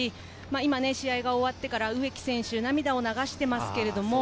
試合が終わってから植木選手、涙を流しています。